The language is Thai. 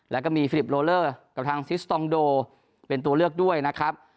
แล้วก็มีฟิลิปโลเลอร์กับทางซิสตองโดเป็นตัวเลือกด้วยนะครับ